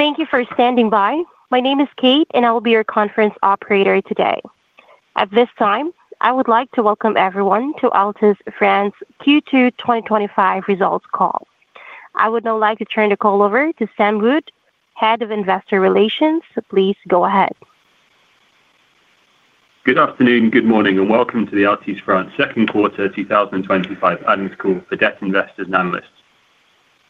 Thank you for standing by. My name is Kate, and I will be your conference operator today. At this time, I would like to welcome everyone to Altice France Q2 2025 Results Call. I would now like to turn the call over to Sam Wood, Head of Investor Relations. Please go ahead. Good afternoon, good morning, and welcome to the Altice France Second Quarter 2025 Earnings Call for Debt Investors and Analysts.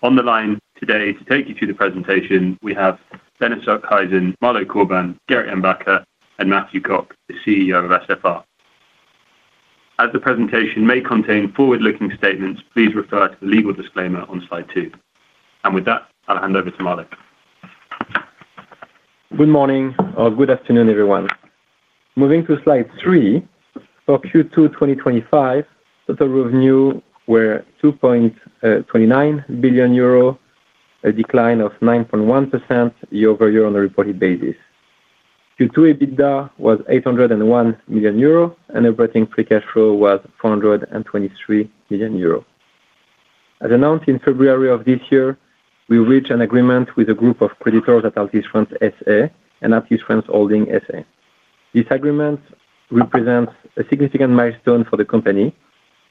On the line today to take you through the presentation, we have Benno Sorgheisen, Malo Corbin, Gerrit Jan Bakker, and Mathieu Cocq, the CEO of SFR. As the presentation may contain forward-looking statements, please refer to the legal disclaimer on slide two. With that, I'll hand over to Malo. Good morning, or good afternoon, everyone. Moving to slide three, for Q2 2025, total revenue was €2.29 billion, a decline of 9.1% year-over-year on a reported basis. Q2 EBITDA was €801 million, and operating free cash flow was €423 million. As announced in February of this year, we reached an agreement with a group of creditors at Altice France S.A. and Altice France Holding S.A. This agreement represents a significant milestone for the company,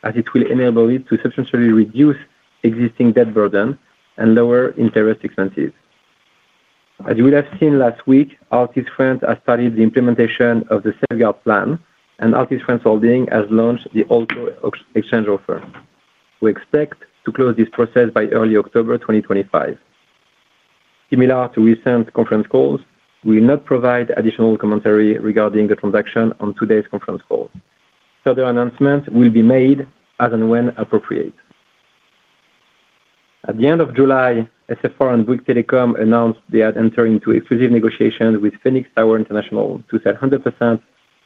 as it will enable it to substantially reduce existing debt burden and lower interest expenses. As you will have seen last week, Altice France has started the implementation of the Safeguard Plan, and Altice France Holding has launched the Auto Exchange Offer. We expect to close this process by early October 2025. Similar to recent conference calls, we will not provide additional commentary regarding the transaction on today's conference call. Further announcements will be made as and when appropriate. At the end of July, SFR and Bouygues Telecom announced they are entering exclusive negotiations with Phoenix Tower International to sell 100%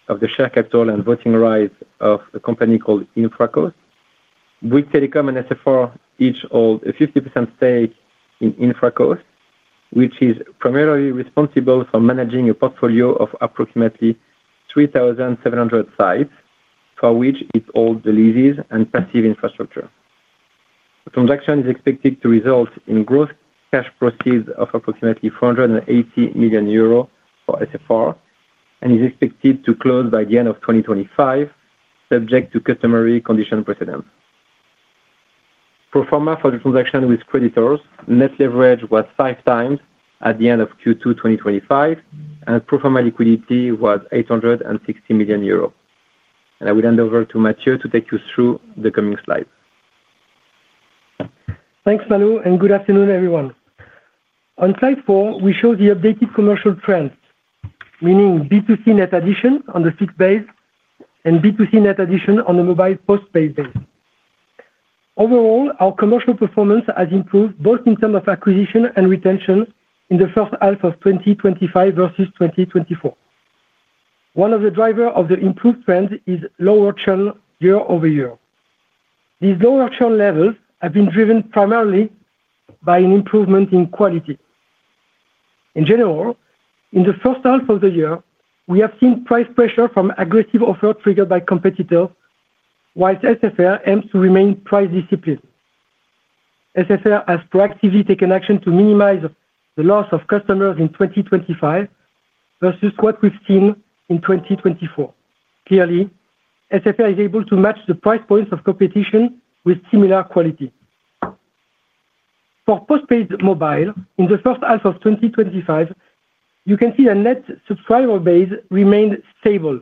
of the share capital and voting rights of a company called InfraCo. Bouygues Telecom and SFR each hold a 50% stake in InfraCo, which is primarily responsible for managing a portfolio of approximately 3,700 sites, for which it holds the leases and passive infrastructure. The transaction is expected to result in gross cash proceeds of approximately €480 million for SFR and is expected to close by the end of 2025, subject to customary condition breakdown. Pro forma for the transaction with creditors, net leverage was five times at the end of Q2 2025, and pro forma liquidity was €860 million. I will hand over to Mathieu Cocq to take you through the coming slides. Thanks, Malo, and good afternoon, everyone. On slide four, we show the updated commercial trends, meaning B2C net addition on the fleet base and B2C net addition on the mobile postpaid base. Overall, our commercial performance has improved both in terms of acquisition and retention in the first half of 2025 versus 2024. One of the drivers of the improved trends is lower churn year over year. These lower churn levels have been driven primarily by an improvement in quality. In general, in the first half of the year, we have seen price pressure from aggressive offers triggered by competitors, while SFR aims to remain price disciplined. SFR has proactively taken action to minimize the loss of customers in 2025 versus what we've seen in 2024. Clearly, SFR is able to match the price points of competition with similar quality. For postpaid mobile, in the first half of 2025, you can see the net subscriber base remained stable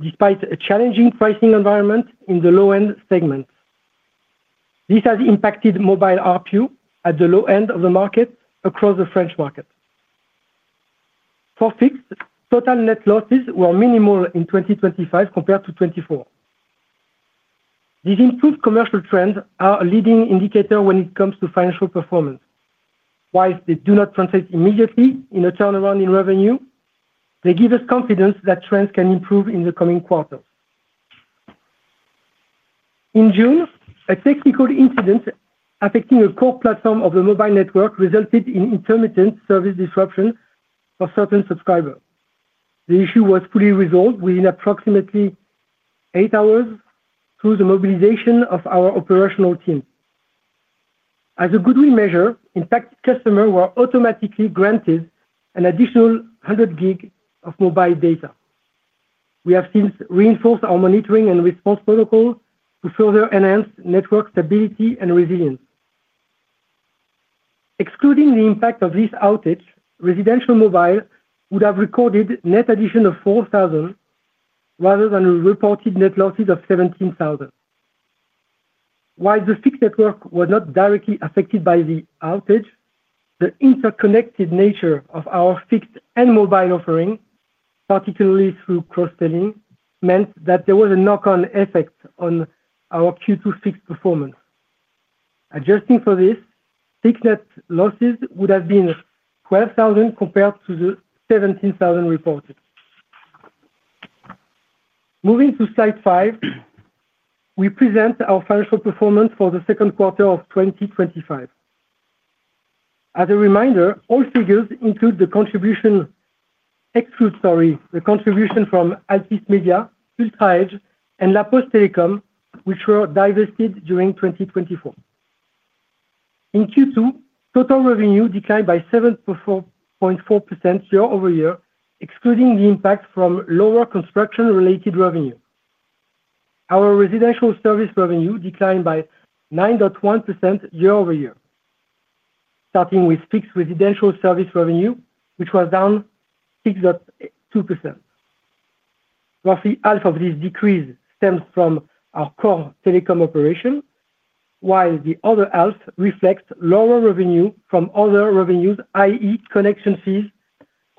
despite a challenging pricing environment in the low-end segment. This has impacted mobile ARPU at the low end of the market across the French market. For fixed, total net losses were minimal in 2025 compared to 2024. These improved commercial trends are a leading indicator when it comes to financial performance. While they do not translate immediately in a turnaround in revenue, they give us confidence that trends can improve in the coming quarter. In June, a technical incident affecting a core platform of the mobile network resulted in intermittent service disruption for certain subscribers. The issue was fully resolved within approximately eight hours through the mobilization of our operational team. As a goodwill measure, impacted customers were automatically granted an additional 100 GB of mobile data. We have since reinforced our monitoring and response protocol to further enhance network stability and resilience. Excluding the impact of this outage, residential mobile would have recorded net addition of 4,000 rather than reported net losses of 17,000. While the fixed network was not directly affected by the outage, the interconnected nature of our fixed and mobile offering, particularly through cross-selling, meant that there was a knock-on effect on our Q2 fixed performance. Adjusting for this, fixed net losses would have been 12,000 compared to the 17,000 reported. Moving to slide five, we present our financial performance for the second quarter of 2025. As a reminder, all figures include the contribution from Altice Media, UltraEdge, and La Poste Telecom, which were divested during 2024. In Q2, total revenue declined by 7.4% year over year, excluding the impact from lower construction-related revenue. Our residential service revenue declined by 9.1% year over year, starting with fixed residential service revenue, which was down 6.2%. Roughly half of this decrease stems from our core telecom operation, while the other half reflects lower revenue from other revenues, i.e., connection fees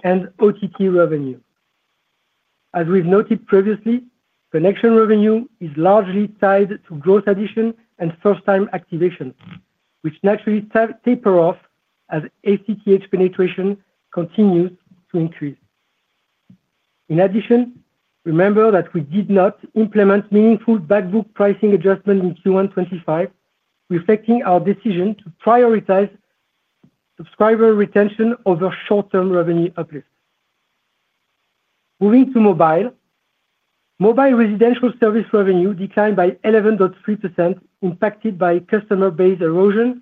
and OTT revenue. As we've noted previously, connection revenue is largely tied to gross addition and first-time activation, which naturally taper off as FTTH penetration continues to increase. In addition, remember that we did not implement meaningful backbook pricing adjustment in Q1 2025, reflecting our decision to prioritize subscriber retention over short-term revenue uplift. Moving to mobile, mobile residential service revenue declined by 11.3%, impacted by customer base erosion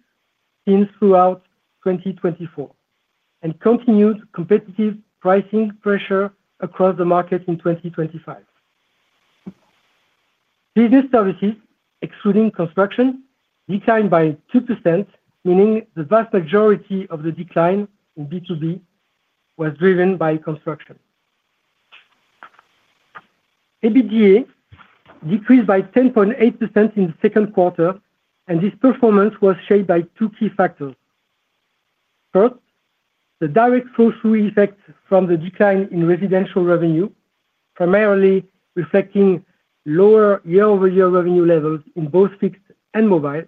seen throughout 2024, and continued competitive pricing pressure across the market in 2025. Business services, excluding construction, declined by 2%, meaning the vast majority of the decline in B2B was driven by construction. EBITDA decreased by 10.8% in the second quarter, and this performance was shaped by two key factors. First, the direct flow-through effect from the decline in residential revenue, primarily reflecting lower year-over-year revenue levels in both fixed and mobile.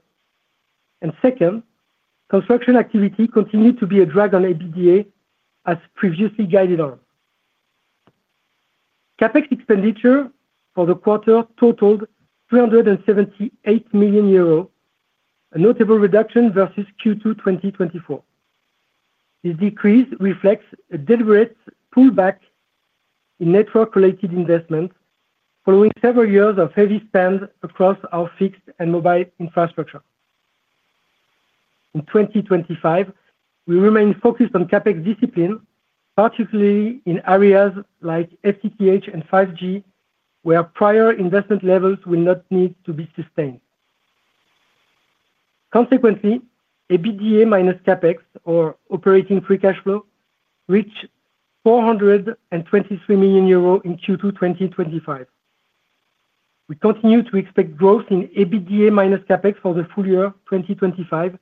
Second, construction activity continued to be a drag on EBITDA as previously guided on. Capex expenditure for the quarter totaled €378 million, a notable reduction versus Q2 2024. This decrease reflects a deliberate pullback in network-related investment following several years of heavy spend across our fixed and mobile infrastructure. In 2025, we remain focused on capex discipline, particularly in areas like FTTH and 5G, where prior investment levels will not need to be sustained. Consequently, EBITDA minus capex, or operating free cash flow, reached €423 million in Q2 2025. We continue to expect growth in EBITDA minus capex for the full year 2025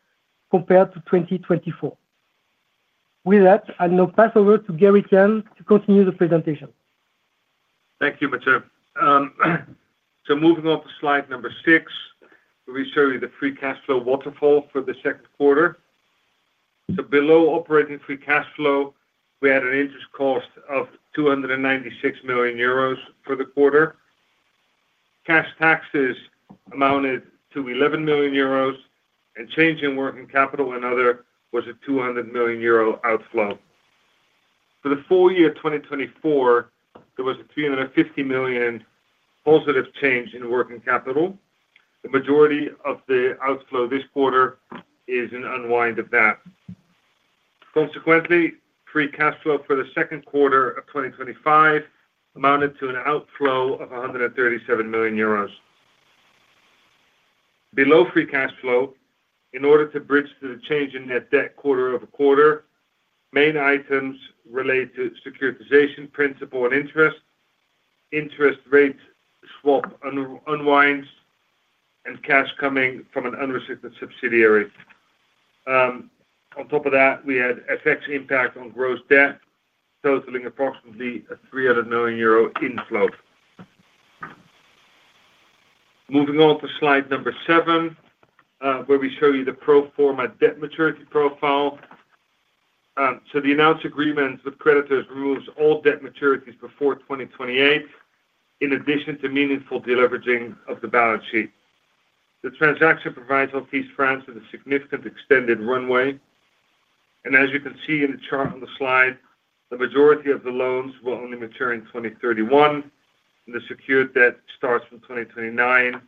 compared to 2024. With that, I'll now pass over to Gerrit Jan Bakker to continue the presentation. Thank you, Mathieu. Moving on to slide number six, we show you the free cash flow waterfall for the second quarter. Below operating free cash flow, we had an interest cost of €296 million for the quarter. Cash taxes amounted to €11 million, and change in working capital and other was a €200 million outflow. For the full year 2024, there was a €350 million positive change in working capital. The majority of the outflow this quarter is an unwind of that. Consequently, free cash flow for the second quarter of 2025 amounted to an outflow of €137 million. Below free cash flow, in order to bridge the change in net debt quarter over quarter, main items relate to securitization, principal, and interest. Interest rate swap unwinds and cash coming from an unrestricted subsidiary. On top of that, we had FX impact on gross debt totaling approximately a €300 million inflow. Moving on to slide number seven, where we show you the pro forma debt maturity profile. The announced agreement with creditors removes all debt maturities before 2028, in addition to meaningful deleveraging of the balance sheet. The transaction provides Altice France with a significant extended runway. As you can see in the chart on the slide, the majority of the loans will only mature in 2031, and the secured debt starts from 2029,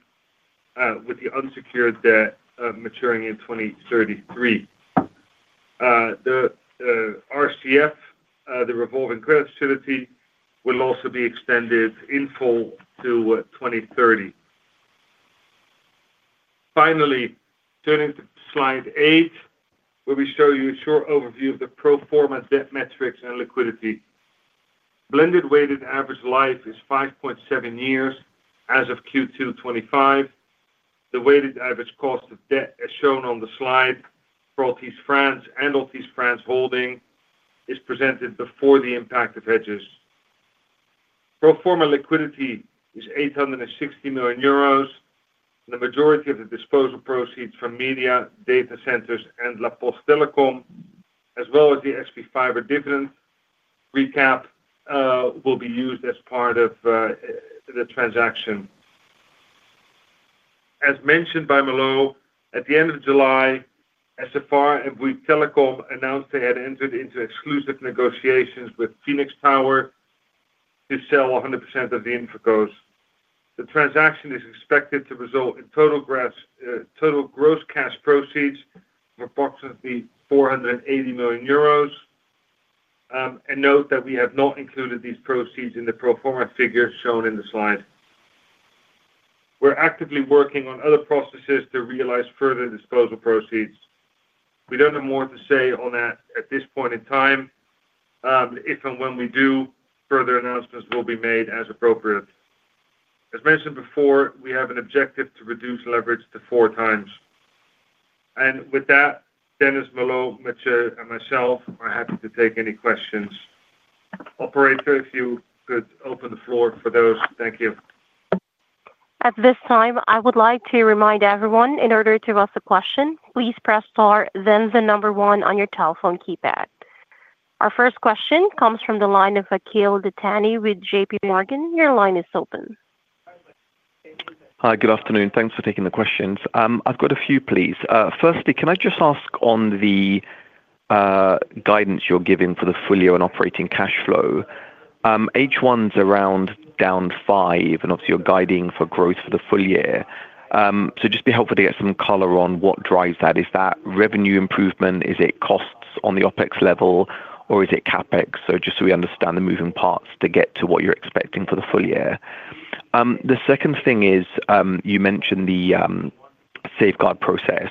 with the unsecured debt maturing in 2033. The RCF, the revolving credit facility, will also be extended in full to 2030. Finally, turning to slide eight, where we show you a short overview of the pro forma debt metrics and liquidity. Blended weighted average life is 5.7 years as of Q2 2025. The weighted average cost of debt as shown on the slide for Altice France and Altice France Holding is presented before the impact of hedges. Pro forma liquidity is €860 million, and the majority of the disposal proceeds from media, data centers, and La Poste Telecom, as well as the SP5 dividend recap, will be used as part of the transaction. As mentioned by Malo, at the end of July, SFR and Bouygues Telecom announced they had entered into exclusive negotiations with Phoenix Tower International to sell 100% of the InfraCo. The transaction is expected to result in total gross cash proceeds of approximately €480 million. Note that we have not included these proceeds in the pro forma figures shown in the slide. We're actively working on other processes to realize further disposal proceeds. We don't have more to say on that at this point in time. If and when we do, further announcements will be made as appropriate. As mentioned before, we have an objective to reduce leverage to 4 times. With that, Dennis, Malo, Mathieu, and myself are happy to take any questions. Operator, if you could open the floor for those. Thank you. At this time, I would like to remind everyone, in order to ask a question, please press star, then the number one on your telephone keypad. Our first question comes from the line of Akil Datanie with JP Morgan. Your line is open. Hi, good afternoon. Thanks for taking the questions. I've got a few, please. Firstly, can I just ask on the guidance you're giving for the full year on operating cash flow? H1's around down 5%, and obviously, you're guiding for growth for the full year. It'd just be helpful to get some color on what drives that. Is that revenue improvement? Is it costs on the OpEx level, or is it CapEx? Just so we understand the moving parts to get to what you're expecting for the full year. The second thing is you mentioned the Safeguard process.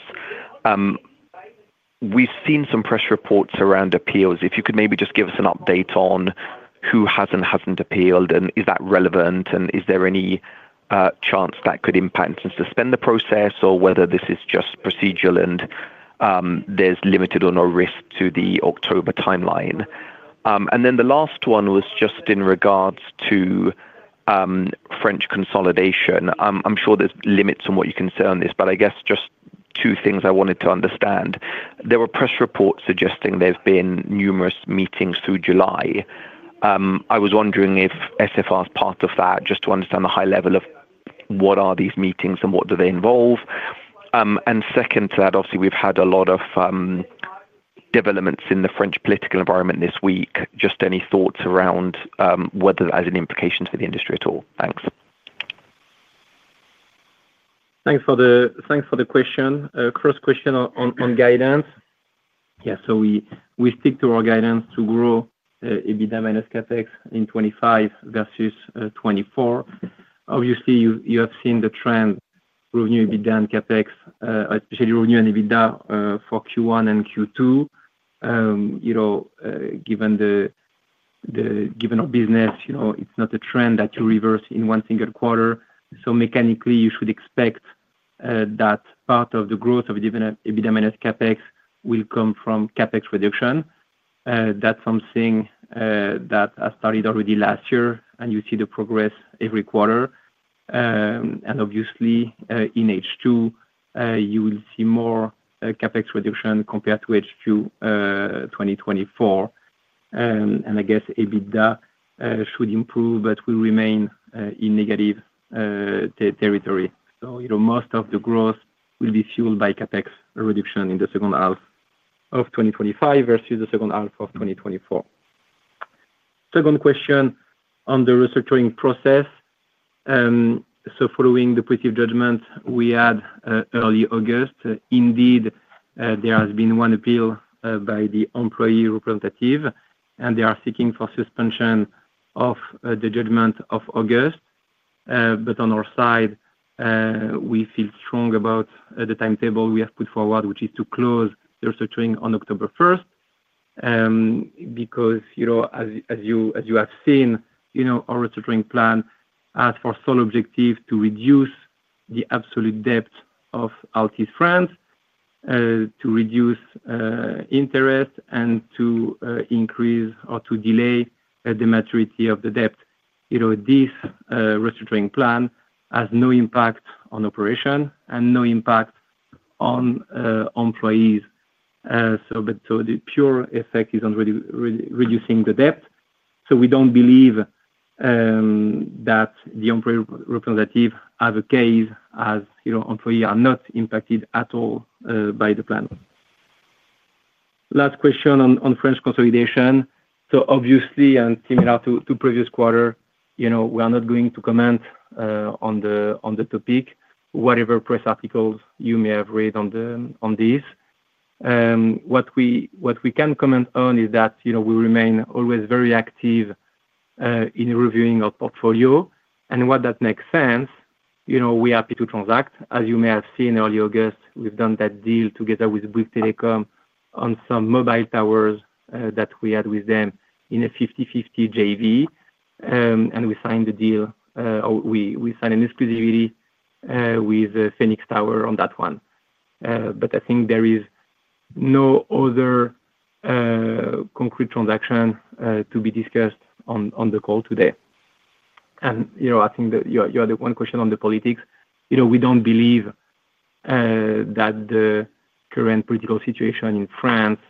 We've seen some press reports around appeals. If you could maybe just give us an update on who has and hasn't appealed, and is that relevant, and is there any chance that could impact and suspend the process, or whether this is just procedural and there's limited or no risk to the October timeline? The last one was just in regards to French consolidation. I'm sure there's limits on what you can say on this, but I guess just two things I wanted to understand. There were press reports suggesting there have been numerous meetings through July. I was wondering if SFR is part of that, just to understand the high level of what are these meetings and what do they involve. Second to that, obviously, we've had a lot of developments in the French political environment this week. Any thoughts around whether that has any implications for the industry at all? Thanks. Thanks for the question. A cross question on guidance. Yeah, we stick to our guidance to grow EBITDA minus capex in 2025 versus 2024. Obviously, you have seen the trend, revenue, EBITDA, and capex, especially revenue and EBITDA for Q1 and Q2. Given our business, you know it's not a trend that you reverse in one single quarter. Mechanically, you should expect that part of the growth of EBITDA minus capex will come from capex reduction. That's something that has started already last year, and you see the progress every quarter. In H2, you will see more capex reduction compared to H2 2024. I guess EBITDA should improve, but will remain in negative territory. Most of the growth will be fueled by capex reduction in the second half of 2025 versus the second half of 2024. Second question on the restructuring process. Following the positive judgment we had early August, indeed, there has been one appeal by the employee representative, and they are seeking suspension of the judgment of August. On our side, we feel strong about the timetable we have put forward, which is to close the restructuring on October 1. As you have seen, our restructuring plan has for sole objective to reduce the absolute debt of Altice France, to reduce interest, and to increase or to delay the maturity of the debt. This restructuring plan has no impact on operation and no impact on employees. The pure effect is on reducing the debt. We don't believe that the employee representative has a case as employees are not impacted at all by the plan. Last question on French consolidation. Obviously, and similar to previous quarter, we are not going to comment on the topic. Whatever press articles you may have read on this, what we can comment on is that we remain always very active in reviewing our portfolio. When that makes sense, we're happy to transact. As you may have seen in early August, we've done that deal together with Bouygues Telecom on some mobile towers that we had with them in a 50/50 JV. We signed the deal, or we signed an exclusivity with Phoenix Tower International on that one. There is no other concrete transaction to be discussed on the call today. I think that you had one question on the politics. We don't believe that the current political situation in France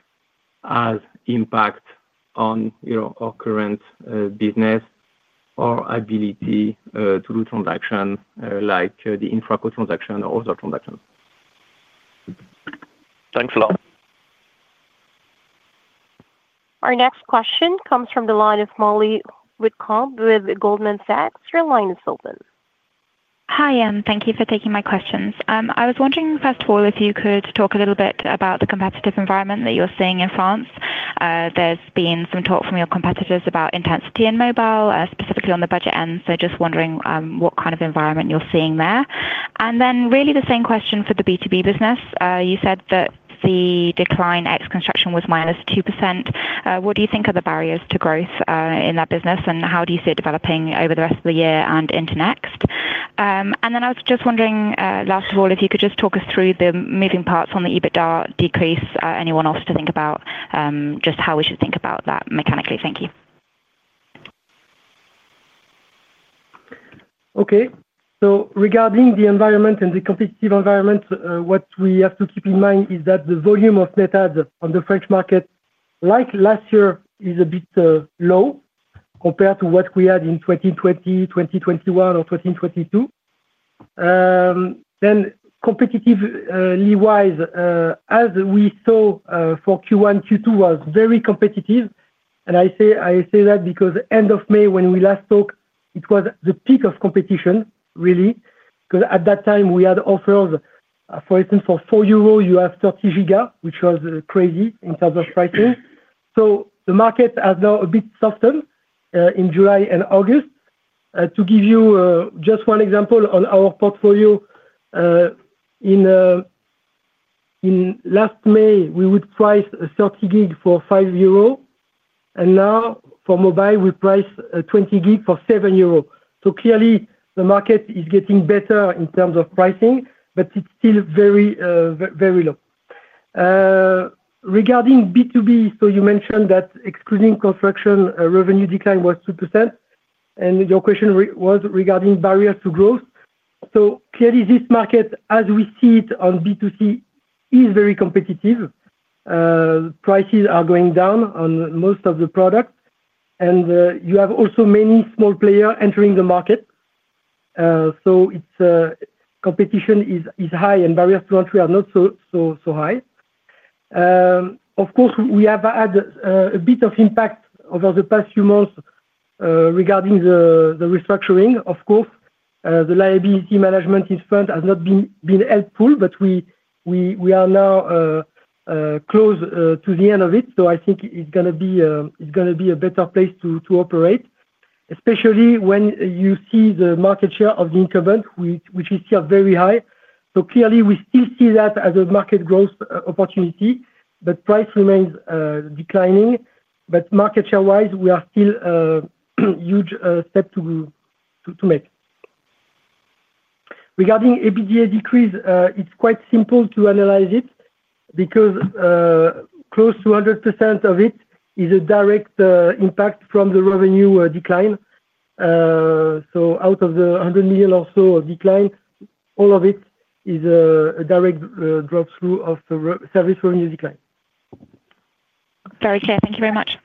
has impact on our current business or ability to do transactions like the InfraCo transaction or other transactions. Thanks a lot. Our next question comes from the line of Mollie Witcombe with Goldman Sachs. Your line is open. Hi, Anne. Thank you for taking my questions. I was wondering, fast forward, if you could talk a little bit about the competitive environment that you're seeing in France. There's been some talk from your competitors about intensity in mobile, specifically on the budget end. Just wondering what kind of environment you're seeing there. Really the same question for the B2B business. You said that the decline ex construction was minus 2%. What do you think are the barriers to growth in that business, and how do you see it developing over the rest of the year and into next? I was just wondering, last of all, if you could just talk us through the moving parts on the EBITDA decrease, anyone else to think about, just how we should think about that mechanically. Thank you. Okay. Regarding the environment and the competitive environment, what we have to keep in mind is that the volume of net adds on the French market, like last year, is a bit low compared to what we had in 2020, 2021, or 2022. Competitively, as we saw for Q1, Q2 was very competitive. I say that because end of May, when we last talked, it was the peak of competition, really, because at that time, we had offers. For instance, for €4, you have 30 giga, which was crazy in terms of pricing. The market has now a bit softened in July and August. To give you just one example on our portfolio, in last May, we would price a 30 gig for €5. Now for mobile, we price a 20 gig for €7. Clearly, the market is getting better in terms of pricing, but it's still very, very low. Regarding B2B, you mentioned that excluding construction, revenue decline was 2%. Your question was regarding barriers to growth. Clearly, this market, as we see it on B2C, is very competitive. Prices are going down on most of the products. You have also many small players entering the market. Its competition is high, and barriers to entry are not so high. Of course, we have had a bit of impact over the past few months regarding the restructuring. The liability management in France has not been helpful, but we are now close to the end of it. I think it's going to be a better place to operate, especially when you see the market share of the incumbent, which we see are very high. We still see that as a market growth opportunity, but price remains declining. Market share-wise, we are still a huge step to make. Regarding EBITDA decrease, it's quite simple to analyze it because close to 100% of it is a direct impact from the revenue decline. Out of the €100 million or so decline, all of it is a direct drop through of the service revenue decline. Very clear. Thank you very much.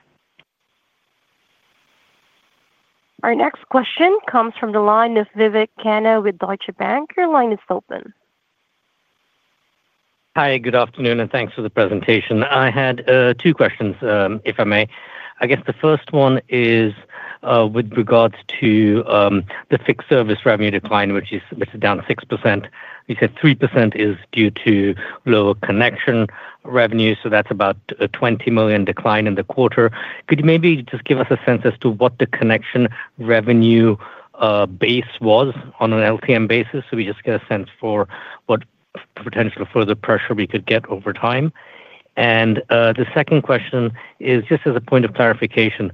Our next question comes from the line of Vivek Khanna with Deutsche Bank. Your line is open. Hi. Good afternoon, and thanks for the presentation. I had two questions, if I may. I guess the first one is with regards to the fixed service revenue decline, which is down 6%. You said 3% is due to lower connection revenue. That's about a €20 million decline in the quarter. Could you maybe just give us a sense as to what the connection revenue base was on an LTM basis so we just get a sense for what potential further pressure we could get over time? The second question is just as a point of clarification.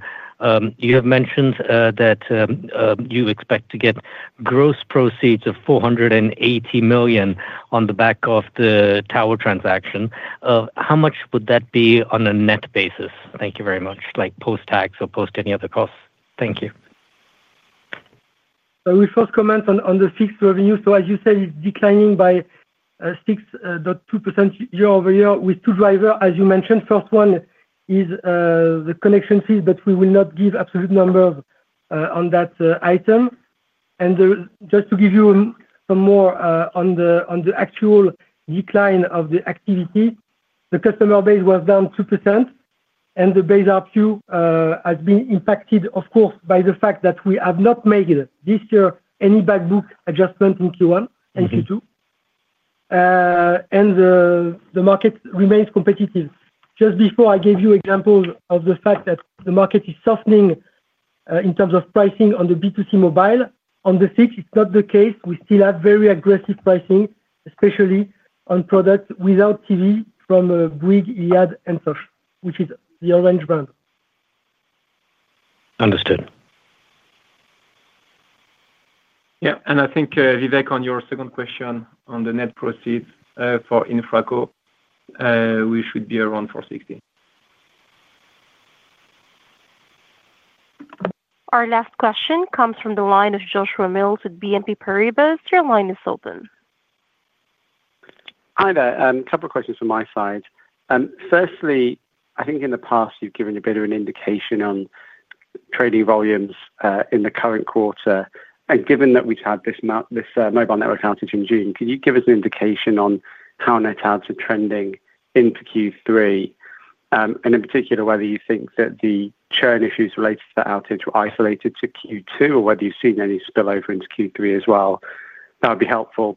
You have mentioned that you expect to get gross proceeds of €480 million on the back of the tower transaction. How much would that be on a net basis? Thank you very much. Like post-tax or post any other costs. Thank you. We first comment on the fixed revenue. As you said, it's declining by 6.2% year over year with two drivers, as you mentioned. The first one is the connection fees, but we will not give absolute numbers on that item. To give you some more on the actual decline of the activity, the customer base was down 2%. The base ARPU has been impacted, of course, by the fact that we have not made this year any backbook adjustment in Q1 and Q2. The market remains competitive. Just before, I gave you examples of the fact that the market is softening in terms of pricing on the B2C mobile. On the fixed, it's not the case. We still have very aggressive pricing, especially on products without TV from Bouygues Telecom, IAD, and SFR, which is the Orange brand. Understood. Yeah. I think, Vivek, on your second question on the net proceeds for InfraCo, we should be around €460 million. Our last question comes from the line of Joshua Mills with BNP Paribas. Your line is open. Hi, there. A couple of questions from my side. Firstly, I think in the past, you've given a bit of an indication on trading volumes in the current quarter. Given that we've had this mobile network outage in June, could you give us an indication on how net adds are trending into Q3? In particular, whether you think that the churn issues related to that outage were isolated to Q2 or whether you've seen any spillover into Q3 as well? That would be helpful.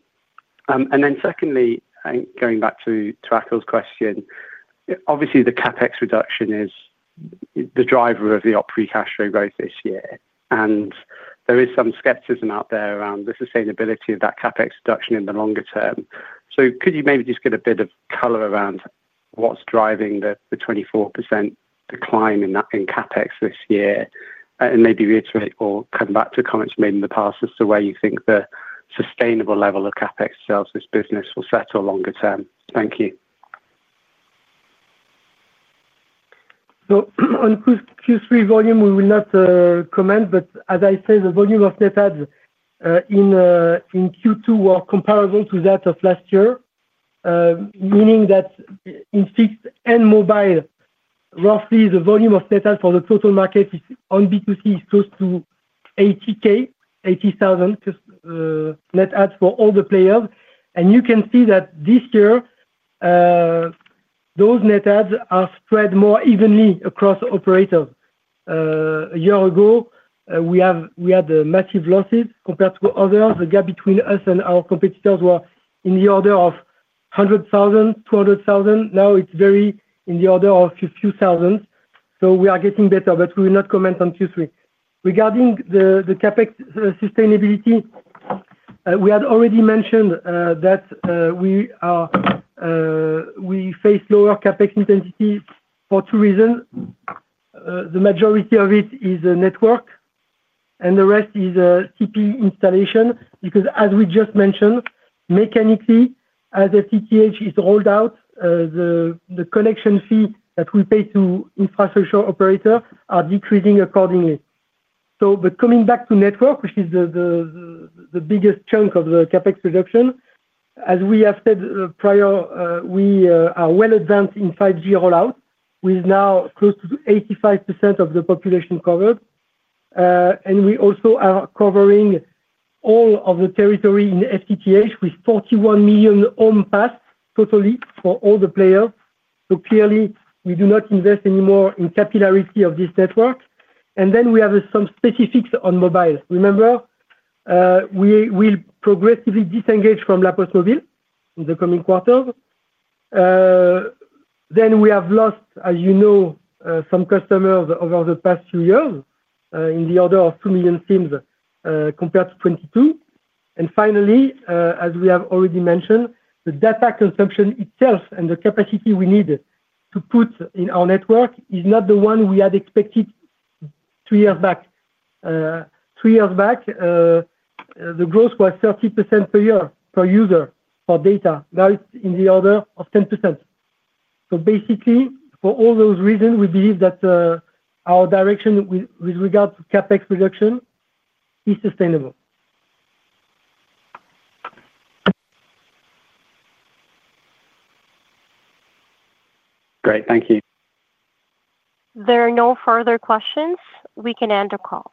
Secondly, I think going back to Axel's question, obviously, the capex reduction is the driver of the op-refresh rate growth this year. There is some skepticism out there around the sustainability of that capex reduction in the longer term. Could you maybe just get a bit of color around what's driving the 24% decline in capex this year? Maybe reiterate or come back to comments made in the past as to where you think the sustainable level of capex sales this business will settle longer term. Thank you. On Q3 volume, we will not comment. As I said, the volume of net adds in Q2 was comparable to that of last year, meaning that in fixed and mobile, roughly the volume of net adds for the total market on B2C is close to 80,000 net adds for all the players. You can see that this year, those net adds have spread more evenly across operators. A year ago, we had massive losses compared to others. The gap between us and our competitors was in the order of 100,000, 200,000. Now it's in the order of a few thousand. We are getting better, but we will not comment on Q3. Regarding the capex sustainability, we had already mentioned that we face lower capex intensity for two reasons. The majority of it is network, and the rest is TP installation because, as we just mentioned, mechanically, as FTTH is rolled out, the connection fee that we pay to infrastructure operators is decreasing accordingly. Coming back to network, which is the biggest chunk of the capex reduction, as we have said prior, we are well advanced in 5G rollout. We're now close to 85% of the population covered. We also are covering all of the territory in FTTH with 41 million home paths totally for all the players. Clearly, we do not invest anymore in capillarity of this network. We have some specifics on mobile. Remember, we will progressively disengage from La Poste Mobile in the coming quarters. We have lost, as you know, some customers over the past few years in the order of 2 million teams compared to 2022. Finally, as we have already mentioned, the data consumption itself and the capacity we need to put in our network is not the one we had expected three years back. Three years back, the growth was 30% per year per user for data. Now it's in the order of 10%. For all those reasons, we believe that our direction with regard to capex reduction is sustainable. Great. Thank you. If there are no further questions, we can end the call.